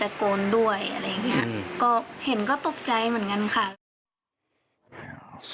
แฟนนิกส์